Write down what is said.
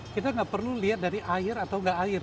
kita nggak perlu lihat dari air atau nggak air